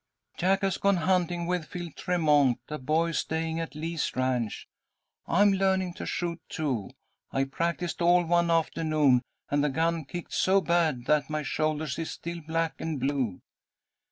"'Jack has gone hunting with Phil Tremont, a boy staying at Lee's ranch. I am learning to shoot, too. I practised all one afternoon, and the gun kicked so bad that my shoulder is still black and blue.